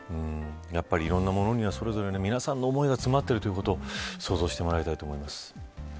やっぱり、いろんなものにはそれぞれ皆さんの思いが詰まっているということ想像してもらいたいと思います。